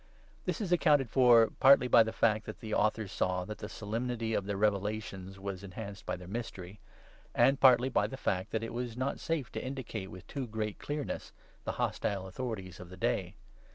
This is accounted for, partly by the fact that their authors saw that the solemnity of their revelations was enhanced by their mystery, and partly by the fact that it was not safe to indicate with too great clearness the hostile Authorities of the day.